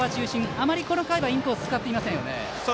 あまりこの回はインコース使っていませんよね。